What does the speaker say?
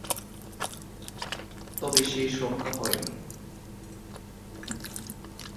তবে শেষ রক্ষা হয়নি।